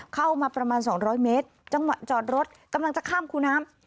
เข้ามาประมาณ๒๐๐เมตรจังหวะจอดรถกำลังจะข้ามคูน้ำ